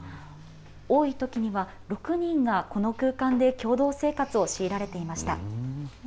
多いときには６人がこの空間で共同生活を強いられていました。